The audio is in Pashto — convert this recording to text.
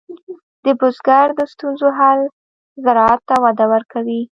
د بزګر د ستونزو حل زراعت ته وده ورکوي.